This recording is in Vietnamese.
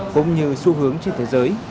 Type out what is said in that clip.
cũng như xu hướng trên thế giới